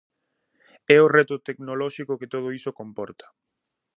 E o reto tecnolóxico que todo iso comporta?